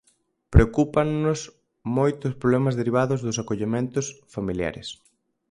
Preocúpannos moito os problemas derivados dos acollementos familiares.